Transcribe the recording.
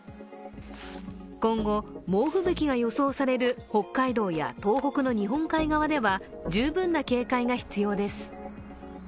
今後、猛吹雪が予想される北海道や東北の日本海側では十分な警戒が必要です。